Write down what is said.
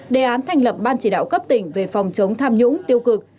đề án thành lập ban chỉ đạo cấp tỉnh về phòng chống tham nhũng tiêu cực